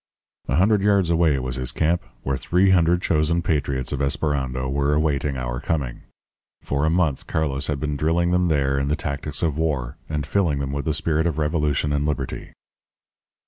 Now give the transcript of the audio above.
"A hundred yards away was his camp, where three hundred chosen patriots of Esperando were awaiting our coming. For a month Carlos had been drilling them there in the tactics of war, and filling them with the spirit of revolution and liberty.